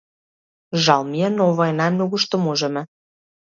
Жал ми е, но ова е најмногу што можеме.